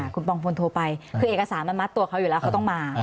คุณปองพลโทรไปคือเอกสารมันมัดตัวเขาอยู่แล้วเขาต้องมา